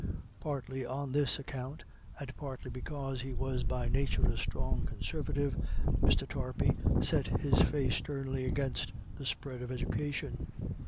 Partly on this account, and partly because he was by nature a strong conservative, Mr. Tarpey set his face sternly against the spread of education.